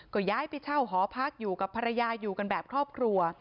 ก็ย้ายไปเช่าหอพักอยู่กับภรรยาอยู่กันแบบครอบครัว